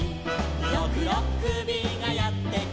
「ろくろっくびがやってきた」